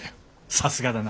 さすがだな。